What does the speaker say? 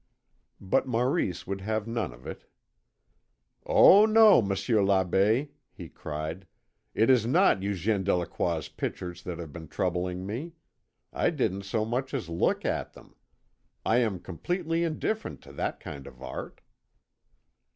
But Maurice would have none of it. "Oh, no! Monsieur l'Abbé," he cried, "it is not Eugène Delacroix's pictures that have been troubling me. I didn't so much as look at them. I am completely indifferent to that kind of art."